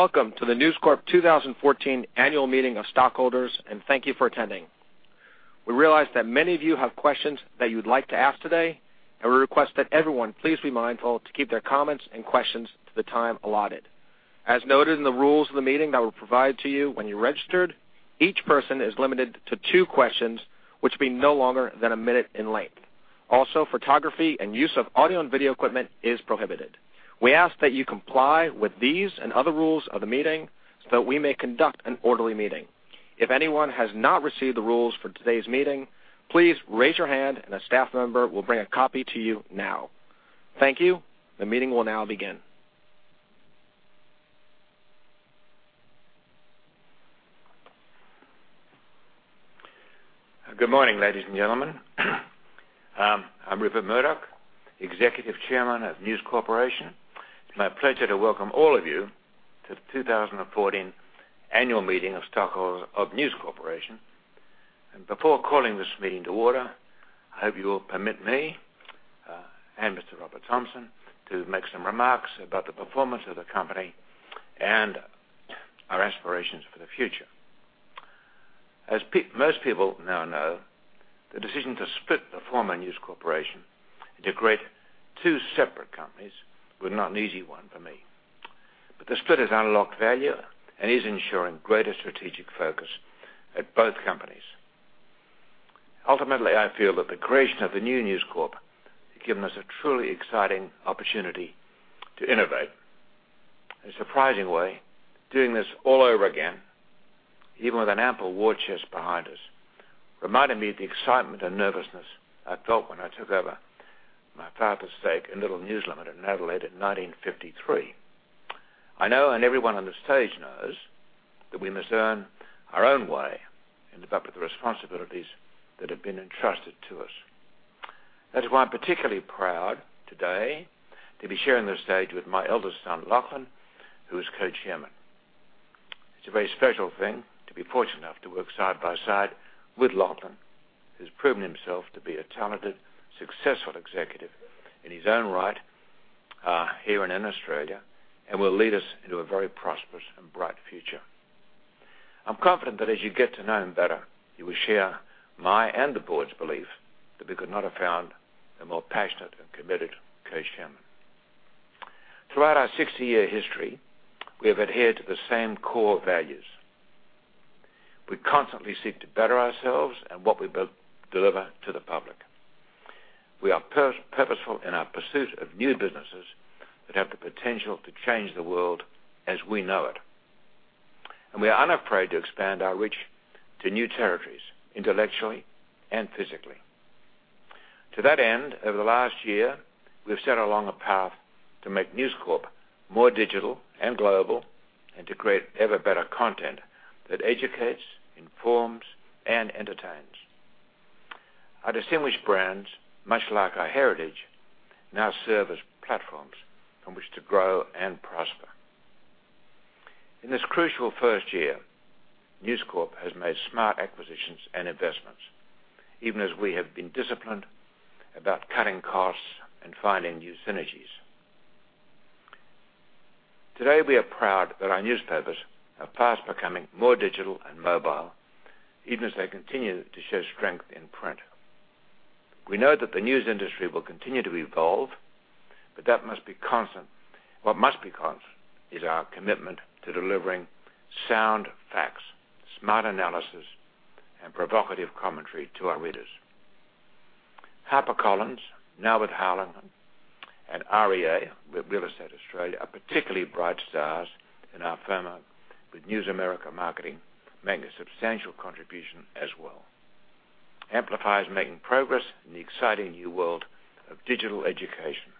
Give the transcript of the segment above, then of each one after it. Welcome to the News Corp 2014 Annual Meeting of Stockholders, and thank you for attending. We realize that many of you have questions that you'd like to ask today, and we request that everyone please be mindful to keep their comments and questions to the time allotted. As noted in the rules of the meeting that were provided to you when you registered, each person is limited to two questions, which will be no longer than a minute in length. Photography and use of audio and video equipment is prohibited. We ask that you comply with these and other rules of the meeting so that we may conduct an orderly meeting. If anyone has not received the rules for today's meeting, please raise your hand and a staff member will bring a copy to you now. Thank you. The meeting will now begin. Good morning, ladies and gentlemen. I'm Rupert Murdoch, Executive Chairman of News Corp. It's my pleasure to welcome all of you to the 2014 Annual Meeting of Stockholders of News Corp. Before calling this meeting to order, I hope you will permit me, and Mr. Robert Thomson, to make some remarks about the performance of the company and our aspirations for the future. As most people now know, the decision to split the former News Corporation into a great two separate companies was not an easy one for me. The split has unlocked value and is ensuring greater strategic focus at both companies. Ultimately, I feel that the creation of the new News Corp has given us a truly exciting opportunity to innovate. In a surprising way, doing this all over again, even with an ample war chest behind us, reminded me of the excitement and nervousness I felt when I took over my father's stake in News Limited in Adelaide in 1953. I know, and everyone on the stage knows, that we must earn our own way and live up to the responsibilities that have been entrusted to us. That is why I'm particularly proud today to be sharing the stage with my eldest son, Lachlan, who is co-chairman. It's a very special thing to be fortunate enough to work side by side with Lachlan, who's proven himself to be a talented, successful executive in his own right, here and in Australia, and will lead us into a very prosperous and bright future. I'm confident that as you get to know him better, you will share my and the board's belief that we could not have found a more passionate and committed co-chairman. Throughout our 60-year history, we have adhered to the same core values. We constantly seek to better ourselves and what we build, deliver to the public. We are purposeful in our pursuit of new businesses that have the potential to change the world as we know it. We are unafraid to expand our reach to new territories, intellectually and physically. To that end, over the last year, we've set along a path to make News Corp more digital and global, and to create ever better content that educates, informs, and entertains. Our distinguished brands, much like our heritage, now serve as platforms from which to grow and prosper. In this crucial first year, News Corp has made smart acquisitions and investments, even as we have been disciplined about cutting costs and finding new synergies. Today, we are proud that our newspapers are fast becoming more digital and mobile, even as they continue to show strength in print. We know that the news industry will continue to evolve, but what must be constant is our commitment to delivering sound facts, smart analysis, and provocative commentary to our readers. HarperCollins, now with Harlequin, and REA, with Real Estate Australia, are particularly bright stars in our firm, with News America Marketing making a substantial contribution as well. Amplify is making progress in the exciting new world of digital education.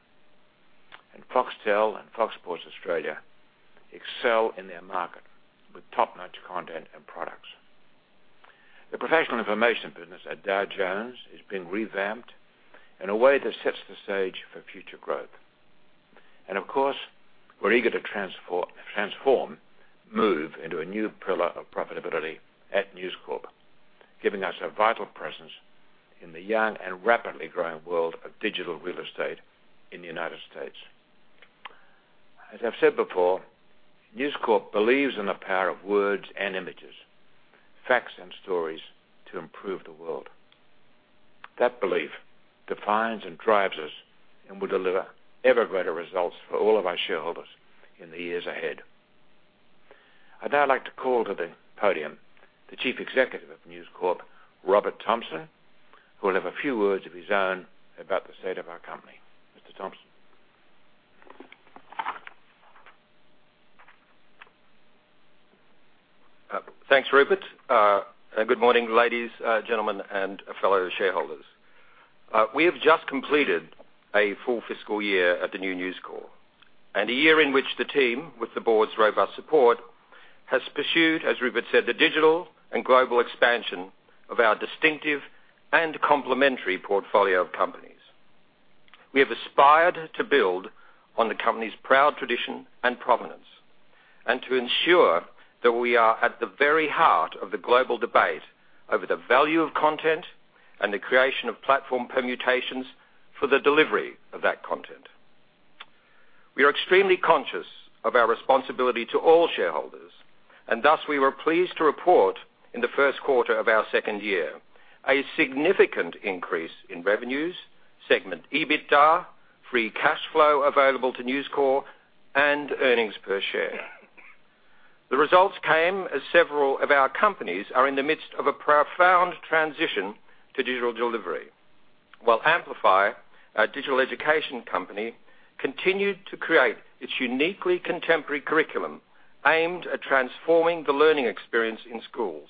Foxtel and Fox Sports Australia excel in their market with top-notch content and products. The professional information business at Dow Jones is being revamped in a way that sets the stage for future growth. Of course, we're eager to transform Move into a new pillar of profitability at News Corp, giving us a vital presence in the young and rapidly growing world of digital real estate in the U.S. As I've said before, News Corp believes in the power of words and images, facts and stories to improve the world. That belief defines and drives us and will deliver ever greater results for all of our shareholders in the years ahead. I'd now like to call to the podium the Chief Executive of News Corp, Robert Thomson, who will have a few words of his own about the state of our company. Mr. Thomson. Thanks, Rupert. Good morning, ladies, gentlemen, and fellow shareholders. We have just completed a full fiscal year at the new News Corp, and a year in which the team, with the board's robust support, has pursued, as Rupert said, the digital and global expansion of our distinctive and complementary portfolio of companies. We have aspired to build on the company's proud tradition and provenance, to ensure that we are at the very heart of the global debate over the value of content The creation of platform permutations for the delivery of that content. We are extremely conscious of our responsibility to all shareholders, thus, we were pleased to report in the first quarter of our second year a significant increase in revenues, segment EBITDA, free cash flow available to News Corp, and earnings per share. The results came as several of our companies are in the midst of a profound transition to digital delivery. While Amplify, our digital education company, continued to create its uniquely contemporary curriculum aimed at transforming the learning experience in schools,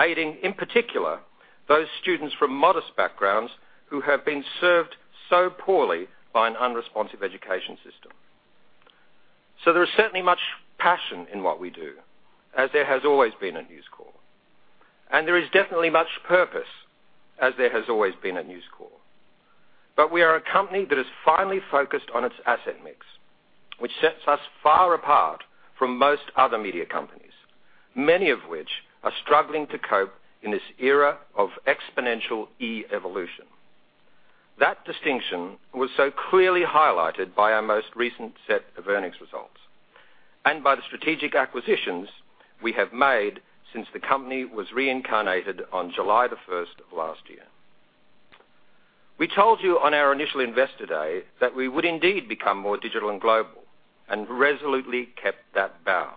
aiding, in particular, those students from modest backgrounds who have been served so poorly by an unresponsive education system. There is certainly much passion in what we do, as there has always been at News Corp. There is definitely much purpose, as there has always been at News Corp. We are a company that is finally focused on its asset mix, which sets us far apart from most other media companies, many of which are struggling to cope in this era of exponential e-evolution. That distinction was so clearly highlighted by our most recent set of earnings results and by the strategic acquisitions we have made since the company was reincarnated on July the 1st of last year. We told you on our initial investor day that we would indeed become more digital and global, and resolutely kept that vow.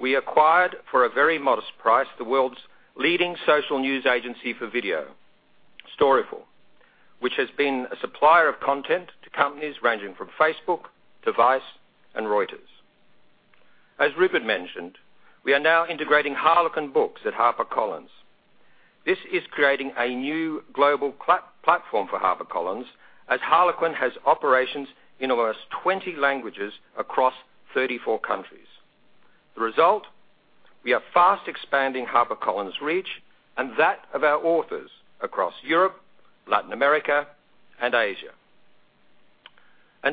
We acquired, for a very modest price, the world's leading social news agency for video, Storyful, which has been a supplier of content to companies ranging from Facebook to Vice and Reuters. As Rupert mentioned, we are now integrating Harlequin Books at HarperCollins. This is creating a new global platform for HarperCollins, as Harlequin has operations in almost 20 languages across 34 countries. The result, we are fast expanding HarperCollins' reach and that of our authors across Europe, Latin America, and Asia.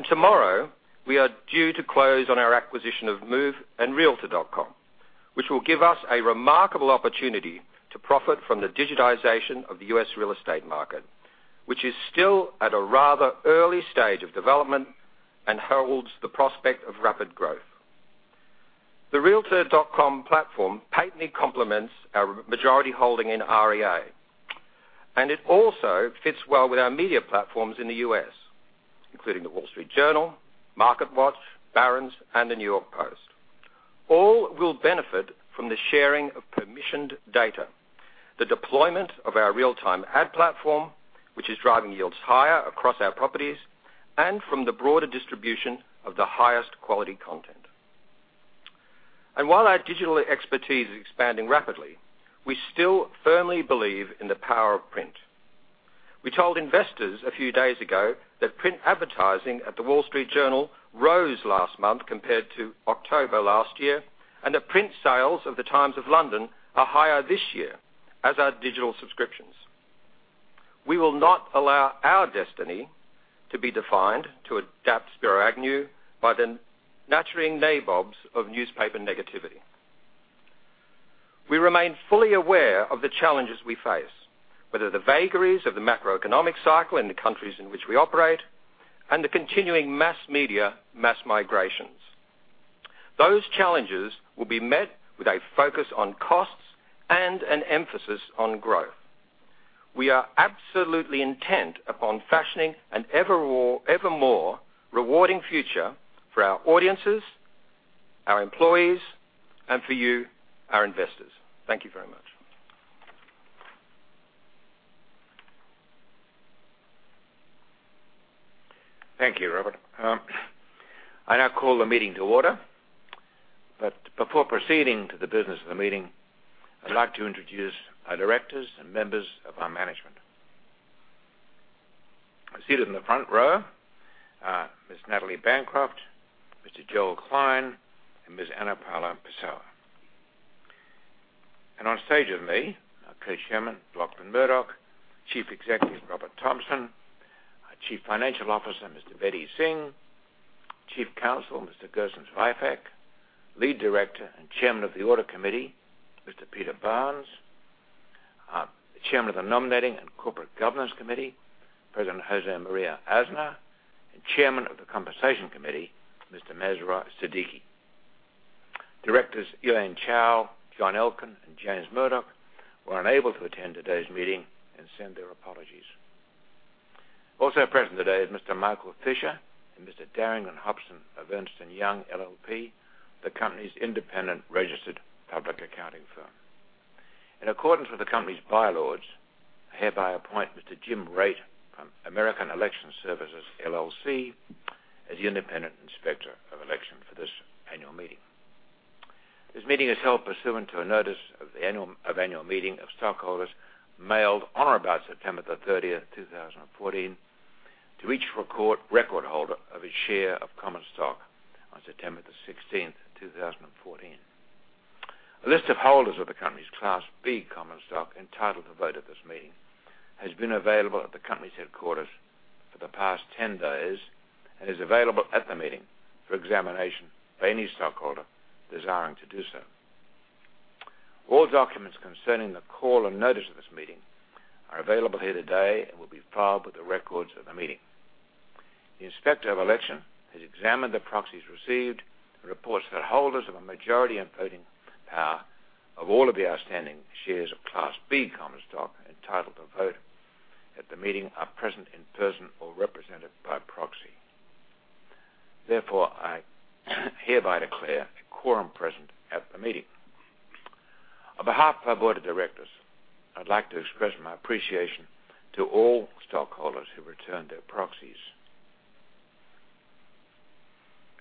Tomorrow, we are due to close on our acquisition of Move and realtor.com, which will give us a remarkable opportunity to profit from the digitization of the U.S. real estate market, which is still at a rather early stage of development and holds the prospect of rapid growth. The realtor.com platform patently complements our majority holding in REA, and it also fits well with our media platforms in the U.S., including The Wall Street Journal, MarketWatch, Barron's, and the New York Post. All will benefit from the sharing of permissioned data, the deployment of our real-time ad platform, which is driving yields higher across our properties, and from the broader distribution of the highest quality content. While our digital expertise is expanding rapidly, we still firmly believe in the power of print. We told investors a few days ago that print advertising at The Wall Street Journal rose last month compared to October last year, and that print sales of The Times of London are higher this year, as are digital subscriptions. We will not allow our destiny to be defined, to adapt Spiro Agnew, by the nattering nabobs of newspaper negativity. We remain fully aware of the challenges we face, whether the vagaries of the macroeconomic cycle in the countries in which we operate and the continuing mass media, mass migrations. Those challenges will be met with a focus on costs and an emphasis on growth. We are absolutely intent upon fashioning an ever more rewarding future for our audiences, our employees, and for you, our investors. Thank you very much. Thank you, Robert. I now call the meeting to order. Before proceeding to the business of the meeting, I'd like to introduce our directors and members of our management. Seated in the front row are Ms. Natalie Bancroft, Mr. Joel Klein, and Ms. Ana Paula Pessoa. On stage with me are Co-Chairman Lachlan Murdoch, Chief Executive Robert Thomson, our Chief Financial Officer, Mr. Bedi Singh, Chief Counsel, Mr. Gerson Zweifach, Lead Director and Chairman of the Audit Committee, Mr. Peter Barnes, our Chairman of the Nominating and Corporate Governance Committee, President José María Aznar, and Chairman of the Compensation Committee, Mr. Masroor Siddiqui. Directors Elaine Chao, John Elkann, and James Murdoch were unable to attend today's meeting and send their apologies. Also present today is Mr. Michael Fischer and Mr. Darrington Hobson of Ernst & Young LLP, the company's independent registered public accounting firm. In accordance with the company's bylaws, I hereby appoint Mr. Jim Rate from American Election Services, LLC as the independent inspector of election for this annual meeting. This meeting is held pursuant to a notice of annual meeting of stockholders mailed on or about September the 30th, 2014 to each record holder of a share of Class B common stock on September the 16th, 2014. A list of holders of the company's Class B common stock entitled to vote at this meeting has been available at the company's headquarters for the past 10 days and is available at the meeting for examination by any stockholder desiring to do so. All documents concerning the call and notice of this meeting are available here today and will be filed with the records of the meeting. The Inspector of Election has examined the proxies received and reports that holders of a majority in voting power of all of the outstanding shares of Class B common stock entitled to vote at the meeting are present in person or represented by proxy. Therefore, I hereby declare a quorum present at the meeting. On behalf of our board of directors, I'd like to express my appreciation to all stockholders who returned their proxies.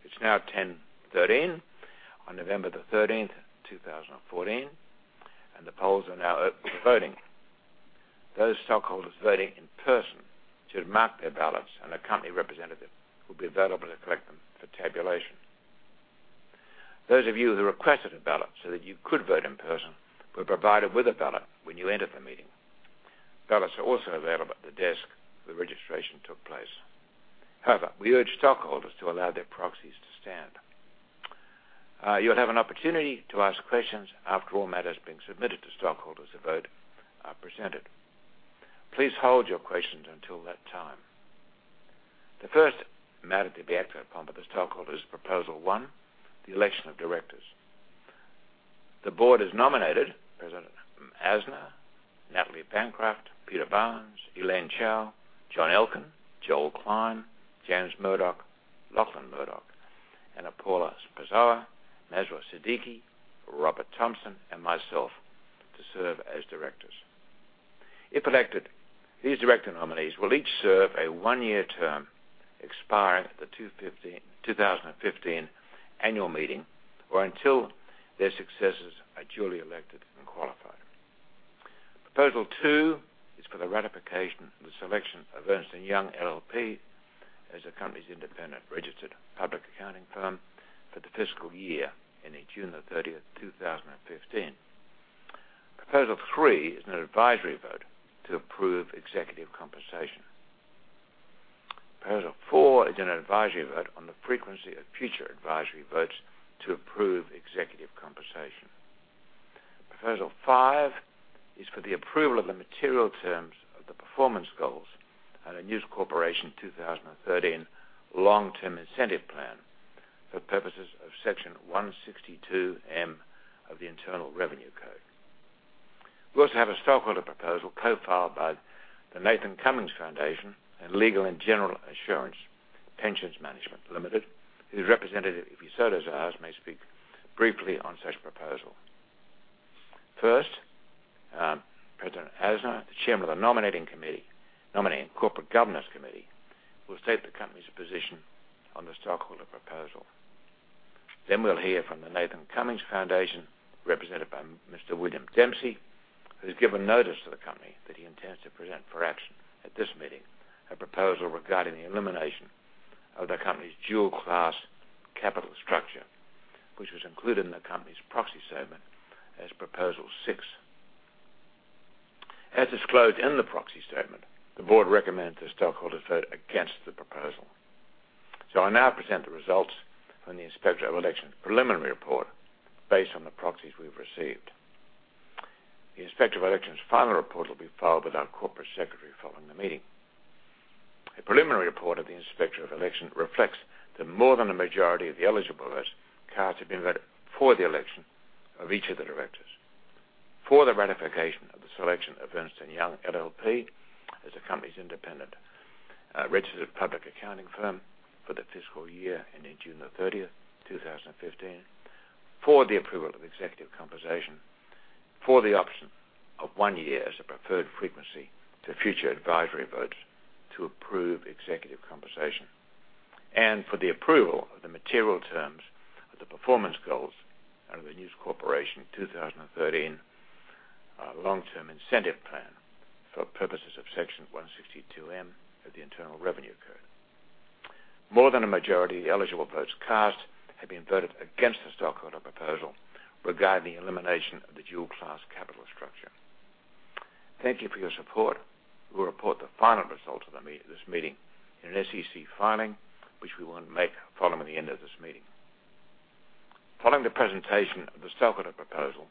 It's now 10:13 A.M. on November the 13th, 2014, the polls are now open for voting. Those stockholders voting in person should mark their ballots, and a company representative will be available to collect them for tabulation. Those of you who requested a ballot so that you could vote in person were provided with a ballot when you entered the meeting. Ballots are also available at the desk where registration took place. We urge stockholders to allow their proxies to stand. You'll have an opportunity to ask questions after all matters being submitted to stockholders to vote are presented. Please hold your questions until that time. The first matter to be acted upon by the stockholders is Proposal One: the election of directors. The board has nominated President Aznar, Natalie Bancroft, Peter Barnes, Elaine Chao, John Elkann, Joel Klein, James Murdoch, Lachlan Murdoch, Ana Paula Pessoa, Masroor Siddiqui, Robert Thomson, and myself to serve as directors. If elected, these director nominees will each serve a one-year term expiring at the 2015 annual meeting, or until their successors are duly elected and qualified. Proposal Two is for the ratification of the selection of Ernst & Young LLP as the company's independent registered public accounting firm for the fiscal year ending June 30th, 2015. Proposal Three is an advisory vote to approve executive compensation. Proposal Four is an advisory vote on the frequency of future advisory votes to approve executive compensation. Proposal Five is for the approval of the material terms of the performance goals and the News Corporation 2013 Long-Term Incentive Plan for purposes of Section 162 of the Internal Revenue Code. We also have a stockholder proposal co-filed by The Nathan Cummings Foundation and Legal and General Assurance (Pensions Management) Limited, whose representative, if he so desires, may speak briefly on such proposal. President Aznar, the chairman of the Nominating Corporate Governance Committee, will state the company's position on the stockholder proposal. We will hear from The Nathan Cummings Foundation, represented by Mr. William Dempsey, who has given notice to the company that he intends to present for action at this meeting a proposal regarding the elimination of the company's dual-class capital structure, which was included in the company's proxy statement as Proposal 6. As disclosed in the proxy statement, the board recommends the stockholders vote against the proposal. I now present the results from the Inspector of Election's preliminary report based on the proxies we have received. The Inspector of Election's final report will be filed with our corporate secretary following the meeting. A preliminary report of the Inspector of Election reflects that more than a majority of the eligible votes cast have been voted for the election of each of the directors. For the ratification of the selection of Ernst & Young LLP as the company's independent registered public accounting firm for the fiscal year ending June 30th, 2015, for the approval of executive compensation, for the option of one year as a preferred frequency to future advisory votes to approve executive compensation, and for the approval of the material terms of the performance goals under the News Corporation 2013 Long-Term Incentive Plan for purposes of Section 162 of the Internal Revenue Code. More than a majority of eligible votes cast have been voted against the stockholder proposal regarding the elimination of the dual-class capital structure. Thank you for your support. We will report the final results of this meeting in an SEC filing, which we will make following the end of this meeting. Following the presentation of the stockholder proposal,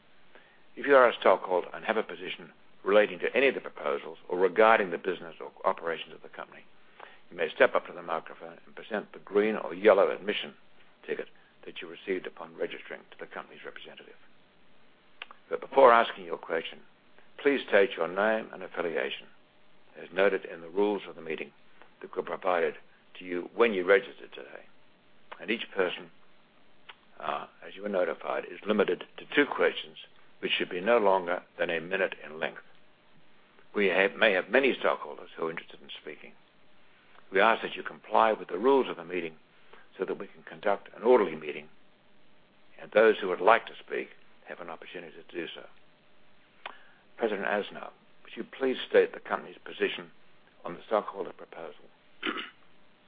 if you are a stockholder and have a position relating to any of the proposals or regarding the business or operations of the company, you may step up to the microphone and present the green or yellow admission ticket that you received upon registering to the company's representative. Before asking your question, please state your name and affiliation, as noted in the rules of the meeting that were provided to you when you registered today. Each person, as you were notified, is limited to two questions, which should be no longer than a minute in length. We may have many stockholders who are interested in speaking. We ask that you comply with the rules of the meeting so that we can conduct an orderly meeting, and those who would like to speak have an opportunity to do so. President Aznar, would you please state the company's position on the stockholder proposal?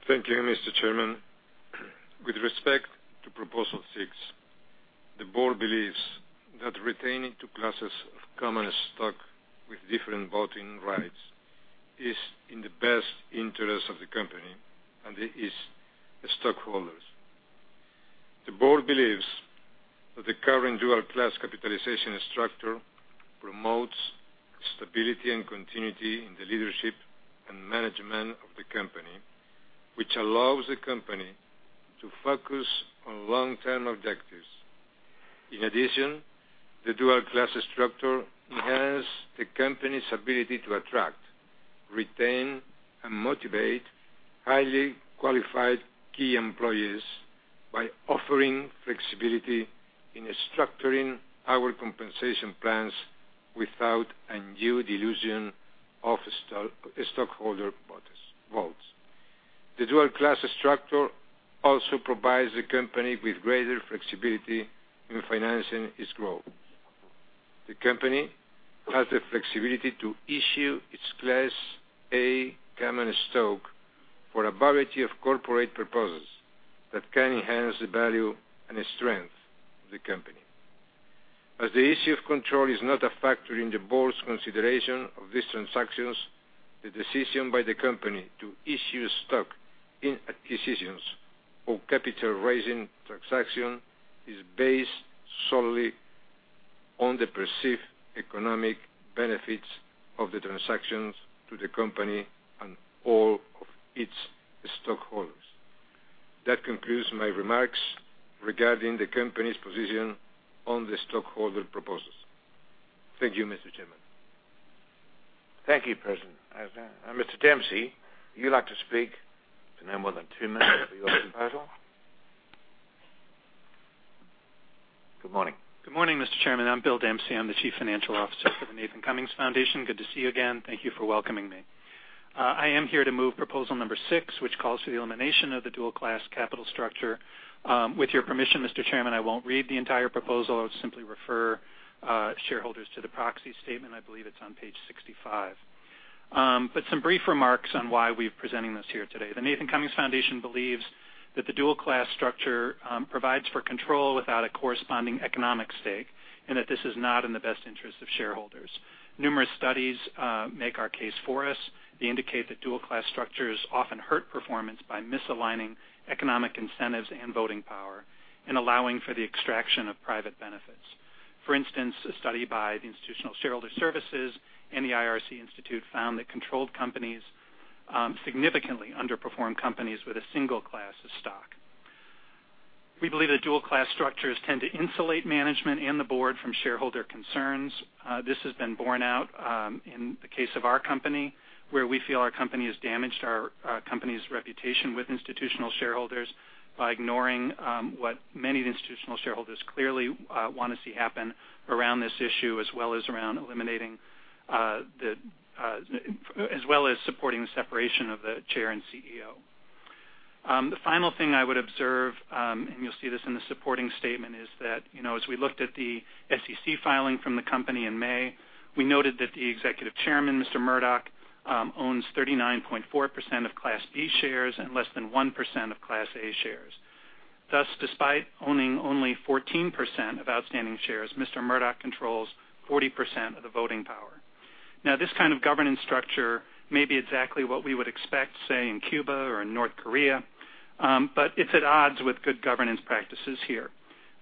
Thank you, Mr. Chairman. With respect to Proposal Six, the board believes that retaining two classes of common stock with different voting rights is in the best interest of the company and its stockholders. The board believes that the current dual-class capitalization structure promotes stability and continuity in the leadership and management of the company, which allows the company to focus on long-term objectives. In addition, the dual-class structure enhances the company's ability to attract, retain, and motivate highly qualified key employees by offering flexibility in structuring our compensation plans without a new dilution of stakeholder votes. The dual-class structure also provides the company with greater flexibility in financing its growth. The company has the flexibility to issue its Class A common stock for a variety of corporate purposes that can enhance the value and strength of the company. As the issue of control is not a factor in the board's consideration of these transactions, the decision by the company to issue stock in decisions or capital-raising transaction is based solely on the perceived economic benefits of the transactions to the company and all of its stockholders. That concludes my remarks regarding the company's position on the stockholder proposals. Thank you, Mr. Chairman. Thank you, President. Mr. Dempsey, would you like to speak for no more than two minutes for your proposal? Good morning. Good morning, Mr. Chairman. I'm Bill Dempsey. I'm the Chief Financial Officer for The Nathan Cummings Foundation. Good to see you again. Thank you for welcoming me. I am here to move proposal number six, which calls for the elimination of the dual-class capital structure. With your permission, Mr. Chairman, I won't read the entire proposal. I would simply refer shareholders to the proxy statement. I believe it's on page 65. Some brief remarks on why we're presenting this here today. The Nathan Cummings Foundation believes that the dual-class structure provides for control without a corresponding economic stake, and that this is not in the best interest of shareholders. Numerous studies make our case for us. They indicate that dual-class structures often hurt performance by misaligning economic incentives and voting power and allowing for the extraction of private benefits. For instance, a study by the Institutional Shareholder Services and the IRRC Institute found that controlled companies significantly underperform companies with a single class of stock. We believe that dual-class structures tend to insulate management and the board from shareholder concerns. This has been borne out in the case of our company, where we feel our company has damaged our company's reputation with institutional shareholders by ignoring what many of the institutional shareholders clearly want to see happen around this issue, as well as supporting the separation of the chair and CEO. The final thing I would observe, and you'll see this in the supporting statement, is that, as we looked at the SEC filing from the company in May, we noted that the executive chairman, Mr. Murdoch, owns 39.4% of Class B shares and less than 1% of Class A shares. Despite owning only 14% of outstanding shares, Mr. Murdoch controls 40% of the voting power. This kind of governance structure may be exactly what we would expect, say, in Cuba or in North Korea. It's at odds with good governance practices here.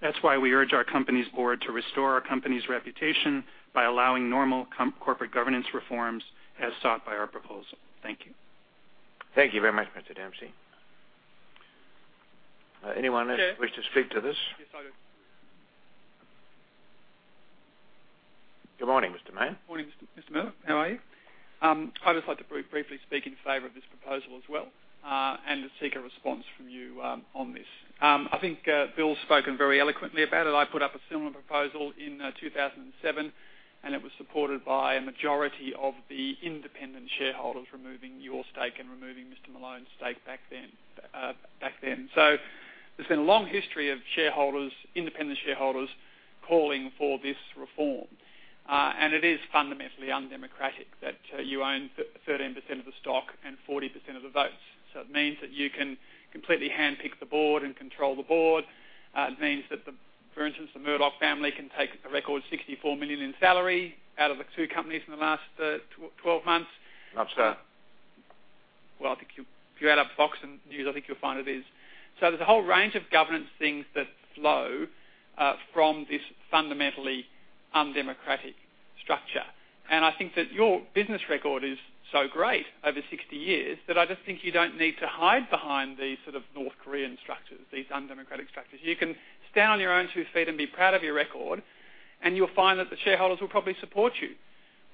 That's why we urge our company's board to restore our company's reputation by allowing normal corporate governance reforms as sought by our proposal. Thank you. Thank you very much, Mr. Dempsey. Anyone else wish to speak to this? Yes, I do. Good morning, Mr. Mayne. Morning, Mr. Murdoch. How are you? I would just like to very briefly speak in favor of this proposal as well, and to seek a response from you on this. I think Bill's spoken very eloquently about it. I put up a similar proposal in 2007, and it was supported by a majority of the independent shareholders removing your stake and removing Mr. Malone's stake back then. There's been a long history of shareholders, independent shareholders, calling for this reform. It is fundamentally undemocratic that you own 13% of the stock and 40% of the votes. It means that you can completely handpick the board and control the board. It means that, for instance, the Murdoch family can take a record $64 million in salary out of the two companies in the last 12 months. I'm sorry. Well, I think if you add up Fox and News, I think you'll find it is. There's a whole range of governance things that flow from this fundamentally undemocratic structure. I think that your business record is so great over 60 years that I just think you don't need to hide behind these sort of North Korean structures, these undemocratic structures. You can stand on your own two feet and be proud of your record, and you'll find that the shareholders will probably support you.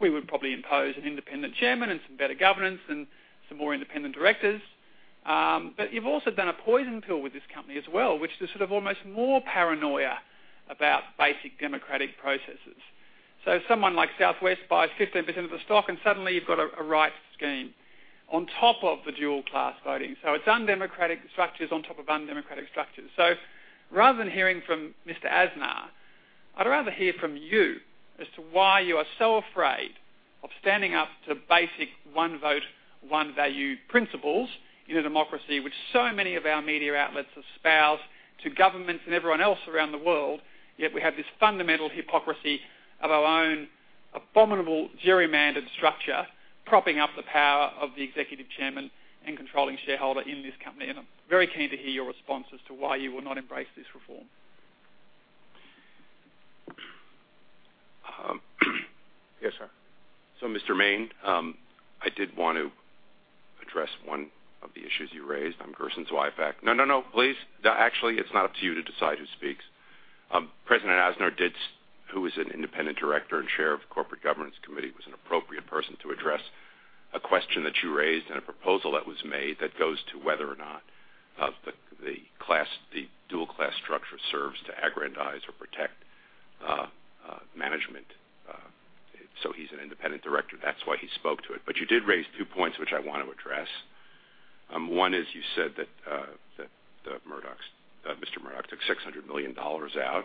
We would probably impose an independent chairman and some better governance and some more independent directors. You've also done a poison pill with this company as well, which is sort of almost more paranoia about basic democratic processes. Someone like Southwest buys 15% of the stock, and suddenly you've got a rights scheme on top of the dual-class voting. It's undemocratic structures on top of undemocratic structures. Rather than hearing from Mr. Aznar, I'd rather hear from you as to why you are so afraid of standing up to basic one vote One value principles in a democracy, which so many of our media outlets espouse to governments and everyone else around the world, yet we have this fundamental hypocrisy of our own abominable gerrymandered structure propping up the power of the executive chairman and controlling shareholder in this company. I'm very keen to hear your response as to why you will not embrace this reform. Yes, sir. Mr. Mayne, I did want to address one of the issues you raised. I'm Gerson Zweifach. No, please. Actually, it's not up to you to decide who speaks. President Aznar, who is an independent director and chair of the Corporate Governance Committee, was an appropriate person to address a question that you raised and a proposal that was made that goes to whether or not the dual-class structure serves to aggrandize or protect management. He's an independent director. That's why he spoke to it. You did raise two points, which I want to address. One is you said that Mr. Murdoch took $600 million out.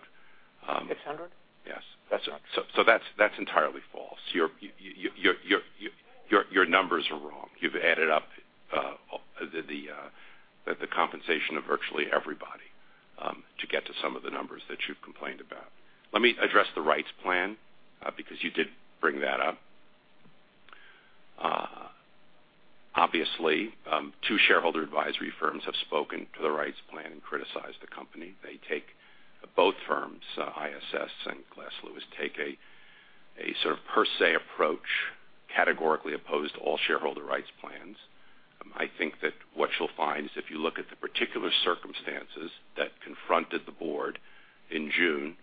600? Yes. That's not- That's entirely false. Your numbers are wrong. You've added up the compensation of virtually everybody, to get to some of the numbers that you've complained about. Let me address the rights plan, because you did bring that up. Obviously, two shareholder advisory firms have spoken to the rights plan and criticized the company. Both firms, ISS and Glass Lewis, take a sort of per se approach, categorically opposed to all shareholder rights plans. I think that what you'll find is if you look at the particular circumstances that confronted the board in June,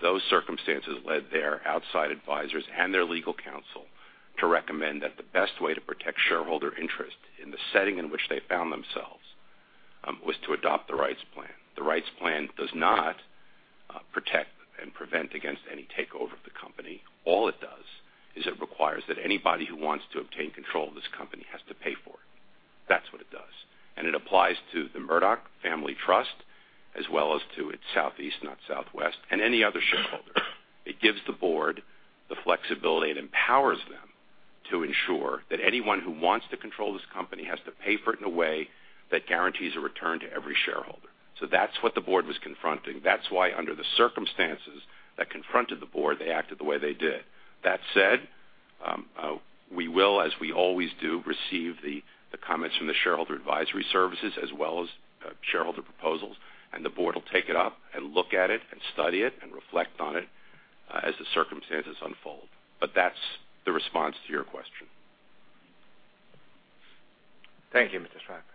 those circumstances led their outside advisors and their legal counsel to recommend that the best way to protect shareholder interest in the setting in which they found themselves, was to adopt the rights plan. The rights plan does not protect and prevent against any takeover of the company. All it does is it requires that anybody who wants to obtain control of this company has to pay for it. That's what it does. It applies to the Murdoch Family Trust, as well as to its southeast, not southwest, and any other shareholder. It gives the board the flexibility. It empowers them to ensure that anyone who wants to control this company has to pay for it in a way that guarantees a return to every shareholder. That's what the board was confronting. That's why under the circumstances that confronted the board, they acted the way they did. That said, we will, as we always do, receive the comments from the shareholder advisory services as well as shareholder proposals, and the board will take it up and look at it and study it and reflect on it, as the circumstances unfold. That's the response to your question. Thank you, Mr. Zweifach.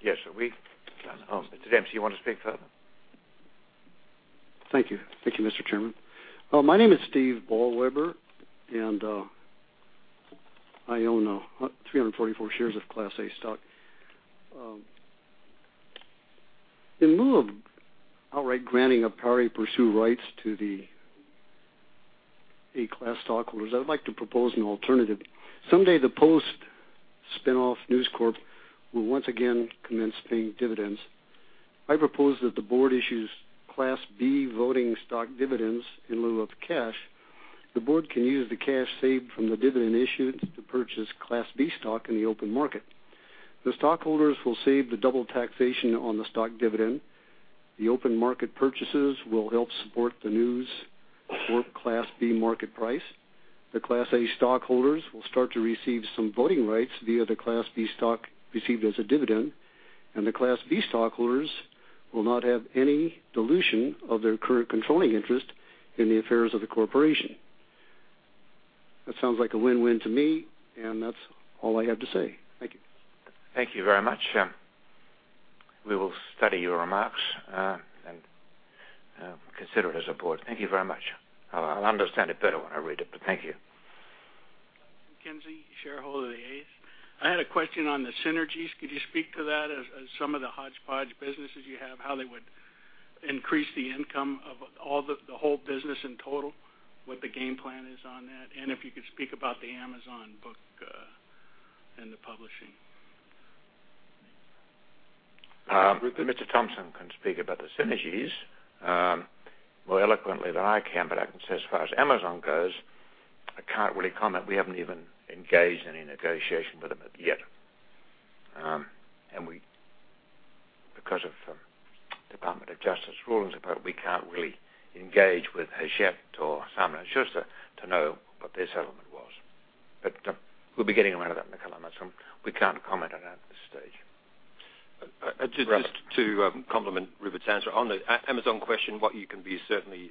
Yes, are we done? Mr. Dempsey, you want to speak further? Thank you. Thank you, Mr. Chairman. My name is Steve Ballweber, and I own 344 shares of Class A stock. In lieu of outright granting of power to pursue rights to the Class A stockholders, I'd like to propose an alternative. Someday the Post spin-off News Corp will once again commence paying dividends. I propose that the board issues Class B voting stock dividends in lieu of cash. The board can use the cash saved from the dividend issued to purchase Class B stock in the open market. The stockholders will save the double taxation on the stock dividend. The open market purchases will help support the News Corp Class B market price. The Class A stockholders will start to receive some voting rights via the Class B stock received as a dividend. The Class B stockholders will not have any dilution of their current controlling interest in the affairs of the corporation. That sounds like a win-win to me, and that's all I have to say. Thank you. Thank you very much. We will study your remarks, consider it as a board. Thank you very much. I'll understand it better when I read it, thank you. McKenzie, shareholder of the As. I had a question on the synergies. Could you speak to that as some of the hodgepodge businesses you have, how they would increase the income of the whole business in total, what the game plan is on that, and if you could speak about the Amazon book and the publishing. Mr. Robert Thomson can speak about the synergies more eloquently than I can, but I can say as far as Amazon goes, I can't really comment. We haven't even engaged any negotiation with them yet. Because of Department of Justice rulings, we can't really engage with Hachette or Simon & Schuster to know what their settlement was. We'll be getting around to that in the coming months, and we can't comment on it at this stage. Just to complement Rupert's answer on the Amazon question, what you can be certainly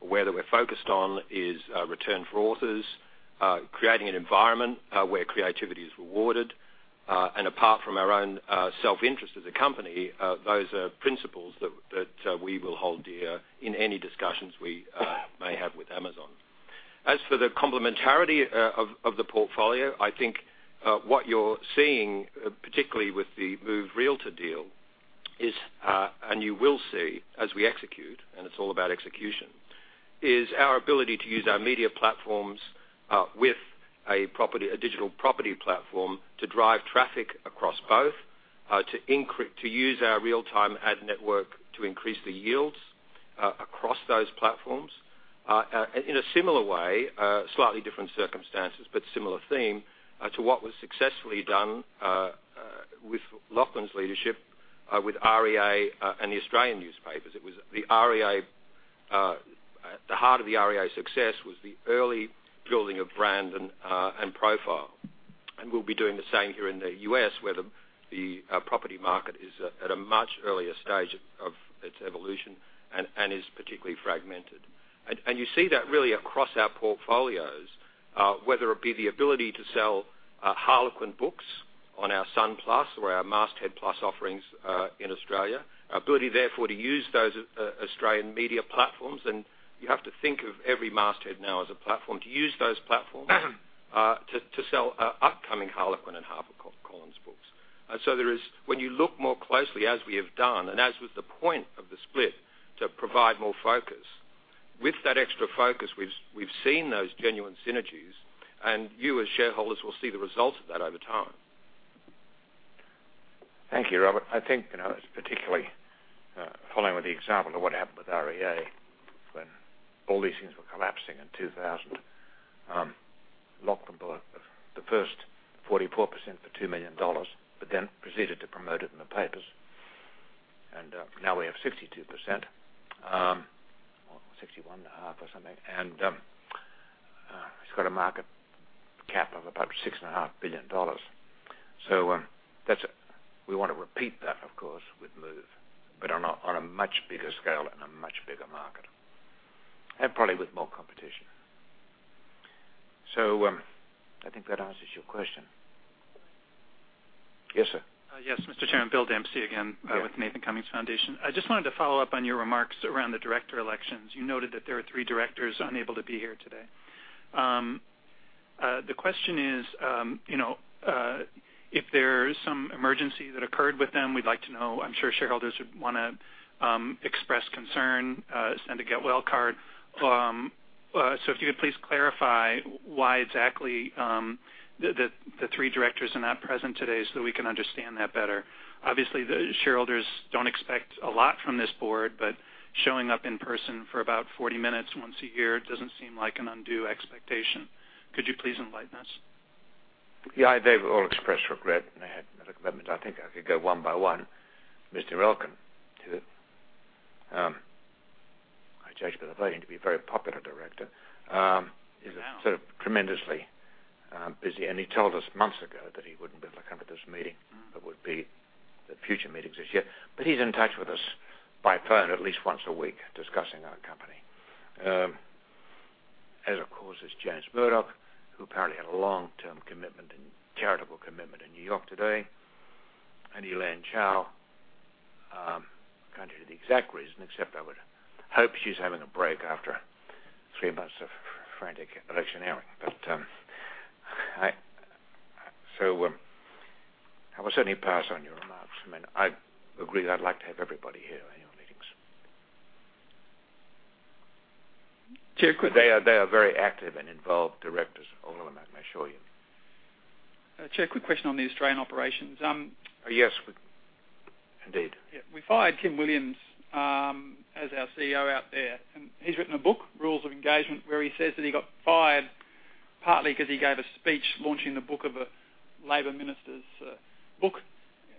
aware that we're focused on is return for authors, creating an environment where creativity is rewarded. Apart from our own self-interest as a company, those are principles that we will hold dear in any discussions we may have with Amazon. As for the complementarity of the portfolio, I think what you're seeing, particularly with the Move Realtor deal is, and you will see as we execute, and it's all about execution, is our ability to use our media platforms with a digital property platform to drive traffic across both, to use our real-time ad network to increase the yields across those platforms. In a similar way, slightly different circumstances, but similar theme, to what was successfully done with Lachlan's leadership with REA and the Australian newspapers. At the heart of the REA success was the early building of brand and profile. We'll be doing the same here in the U.S., where the property market is at a much earlier stage of its evolution and is particularly fragmented. You see that really across our portfolios, whether it be the ability to sell Harlequin books on our Sun+ or our Masthead+ offerings in Australia, our ability therefore to use those Australian media platforms. You have to think of every Masthead now as a platform to use those platforms to sell upcoming Harlequin and HarperCollins books. When you look more closely, as we have done, and as was the point of the split, to provide more focus. With that extra focus, we've seen those genuine synergies, and you, as shareholders, will see the results of that over time. Thank you, Robert. I think, particularly following with the example of what happened with REA when all these things were collapsing in 2000. Lachlan bought the first 44% for $2 million, then proceeded to promote it in the papers. Now we have 62%, or 61 and a half or something. It's got a market cap of about $6.5 billion. We want to repeat that, of course, with Move, but on a much bigger scale and a much bigger market. Probably with more competition. I think that answers your question. Yes, sir. Yes, Mr. Chairman. Bill Dempsey again. Yeah With Nathan Cummings Foundation. I just wanted to follow up on your remarks around the director elections. You noted that there are three directors unable to be here today. The question is, if there is some emergency that occurred with them, we'd like to know. I'm sure shareholders would want to express concern, send a get well card. If you could please clarify why exactly the three directors are not present today so that we can understand that better. Obviously, the shareholders don't expect a lot from this board, but showing up in person for about 40 minutes once a year doesn't seem like an undue expectation. Could you please enlighten us? Yeah. They've all expressed regret, and they had medical commitments. I think I could go one by one. Mr. Elkann, who I judge by the voting to be a very popular director. He's around. He is tremendously busy, and he told us months ago that he wouldn't be able to come to this meeting, but would be at the future meetings this year. He's in touch with us by phone at least once a week discussing our company. As, of course, is James Murdoch, who apparently had a long-term commitment and charitable commitment in New York today. Elaine Chao, can't give you the exact reason, except I would hope she's having a break after three months of frantic electioneering. I will certainly pass on your remarks. I agree that I'd like to have everybody here in all meetings. Chair. They are very active and involved directors, all of them, I can assure you. Chair, quick question on the Australian operations. Yes, indeed. We fired Kim Williams as our CEO out there. He's written a book, "Rules of Engagement," where he says that he got fired partly because he gave a speech launching the book of a Labor minister's book.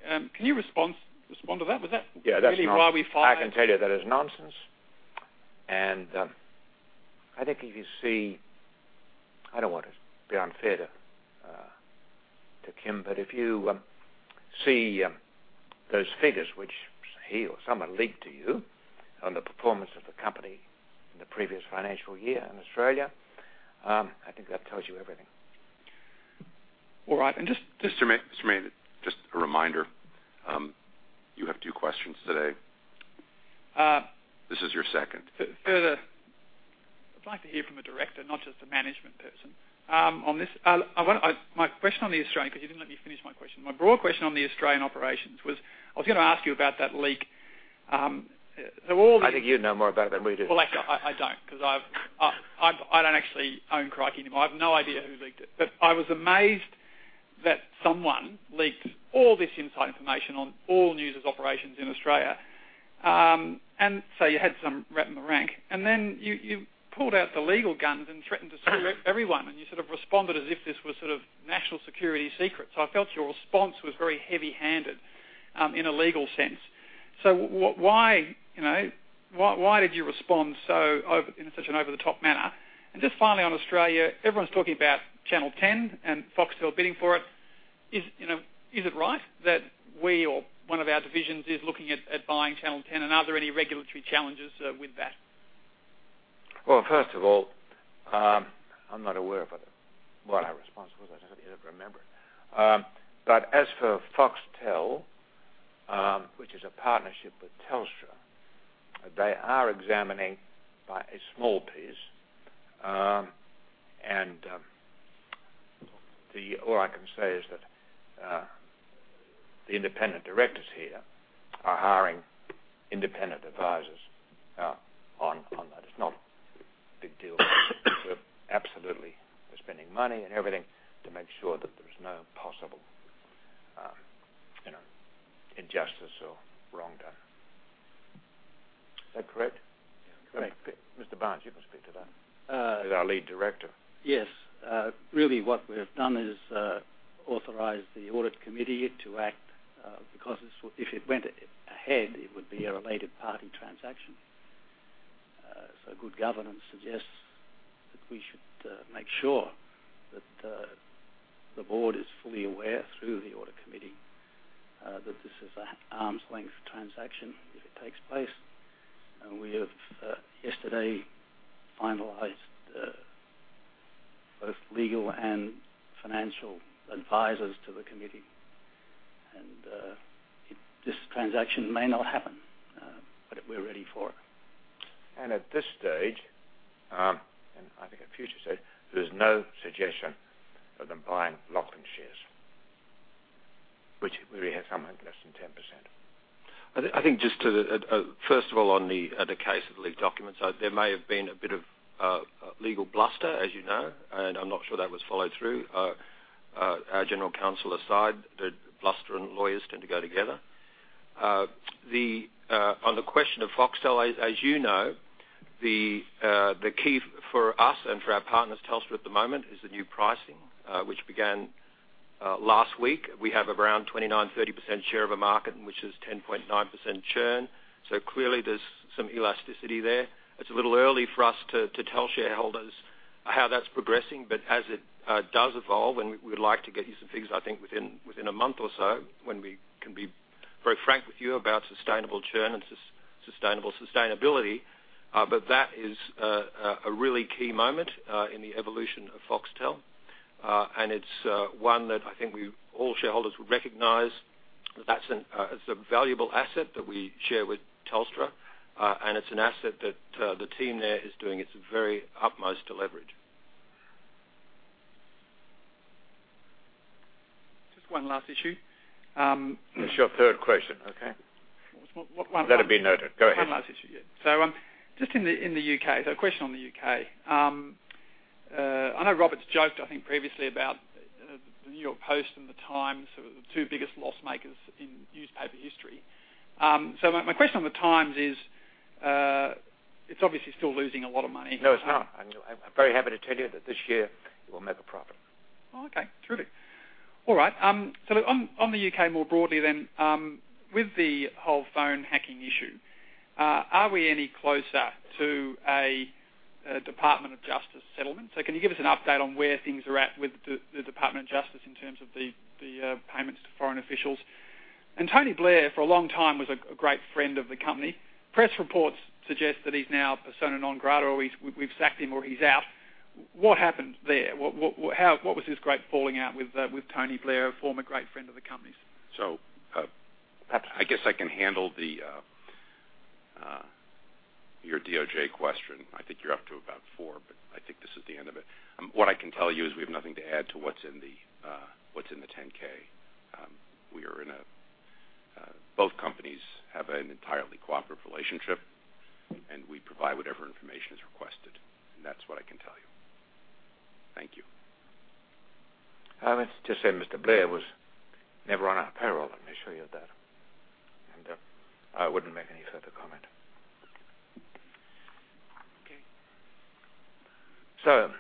Can you respond to that? Was that? Yeah, that's. really why we fired him? I can tell you that is nonsense. I think if you see, I don't want to be unfair to Kim, but if you see those figures, which he or someone leaked to you, on the performance of the company in the previous financial year in Australia, I think that tells you everything. All right. Mr. Mayne, just a reminder. You have two questions today. This is your second. Further. I'd like to hear from a director, not just a management person, on this. My question on the Australian, because you didn't let me finish my question. My broad question on the Australian operations was, I was going to ask you about that leak. I think you'd know more about it than we do. Well, actually, I don't, because I don't actually own Crikey anymore. I have no idea who leaked it. I was amazed that someone leaked all this inside information on all News' operations in Australia. You had some rat in the rank, then you pulled out the legal guns and threatened to sue everyone, and you sort of responded as if this was national security secrets. I felt your response was very heavy-handed in a legal sense. Why did you respond in such an over-the-top manner? Just finally on Australia, everyone's talking about Network 10 and Foxtel bidding for it. Is it right that we or one of our divisions is looking at buying Network 10? Are there any regulatory challenges with that? Well, first of all, I'm not aware of what our response was. I just don't remember. As for Foxtel, which is a partnership with Telstra, they are examining by a small piece, All I can say is that the independent directors here are hiring independent advisors on that. It's not a big deal. Absolutely, we're spending money and everything to make sure that there is no possible injustice or wrong done. Is that correct? Yeah. Correct. Mr. Barnes, you can speak to that. He's our lead director. Yes. Really what we have done is authorized the audit committee to act, because if it went ahead, it would be a related party transaction. Good governance suggests that we should make sure that the board is fully aware, through the audit committee, that this is an arm's length transaction if it takes place. We have yesterday finalized both legal and financial advisors to the committee. This transaction may not happen. We're ready for it. At this stage, I think at future stages, there's no suggestion of them buying Lachlan shares, which we have somewhere less than 10%. I think, first of all, on the case of the leaked documents, there may have been a bit of legal bluster, as you know, I'm not sure that was followed through. Our general counsel aside, bluster and lawyers tend to go together. On the question of Foxtel, as you know, the key for us and for our partners, Telstra at the moment, is the new pricing, which began last week. We have around 29%, 30% share of a market in which there's 10.9% churn. Clearly there's some elasticity there. It's a little early for us to tell shareholders how that's progressing. As it does evolve, we would like to get you some figures, I think, within a month or so when we can be very frank with you about sustainable churn and sustainability. That is a really key moment in the evolution of Foxtel. It's one that I think all shareholders would recognize that it's a valuable asset that we share with Telstra. It's an asset that the team there is doing its very utmost to leverage. Just one last issue. It's your third question, okay? One- Let it be noted. Go ahead. One last issue, yeah. Just in the U.K., a question on the U.K. I know Robert's joked, I think, previously about the New York Post and The Times, sort of the two biggest loss-makers in newspaper history. My question on The Times is, it's obviously still losing a lot of money. No, it's not. I'm very happy to tell you that this year it will make a profit. Oh, okay. Terrific. All right. On the U.K. more broadly then, with the whole phone hacking issue, are we any closer to a Department of Justice settlement? Can you give us an update on where things are at with the Department of Justice in terms of the payments to foreign officials? Tony Blair, for a long time, was a great friend of the company. Press reports suggest that he's now persona non grata or we've sacked him, or he's out. What happened there? What was this great falling out with Tony Blair, a former great friend of the company's? I guess I can handle your DOJ question. I think you're up to about four, but I think this is the end of it. What I can tell you is we have nothing to add to what's in the 10-K. We provide whatever information is requested, that's what I can tell you. Thank you. Let's just say Mr. Blair was never on our payroll. Let me assure you of that. I wouldn't make any further comment. Okay.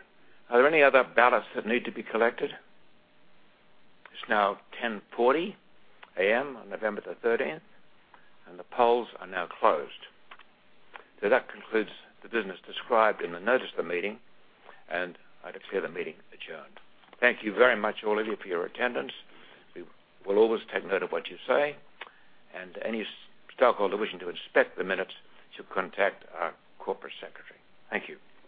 Are there any other ballots that need to be collected? It's now 10:40 A.M. on November the 13th, and the polls are now closed. That concludes the business described in the notice of the meeting, and I declare the meeting adjourned. Thank you very much, all of you, for your attendance. We will always take note of what you say. Any stockholder wishing to inspect the minutes should contact our corporate secretary. Thank you.